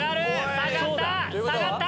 下がった！